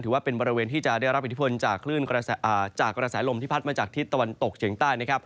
ถือว่าเป็นบริเวณที่จะได้รับอิทธิพลจากกระสายลมที่พัดมาจากทิศตะวันตกเฉียงใต้